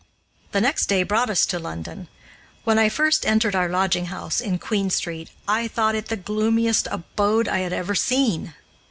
The next day brought us to London. When I first entered our lodging house in Queen Street, I thought it the gloomiest abode I had ever seen.